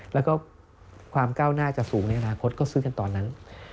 แล้วก็ความก้าวหน้าจะสูงในอนาคตก็ซื้อกันตอนนั้น